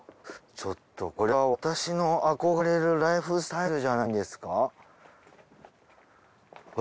ちょっとこれは私の憧れるライフスタイルじゃないんですか？